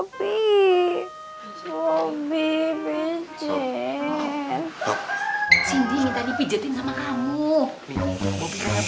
mbak bi nggak bisa pijet nanti masuk angin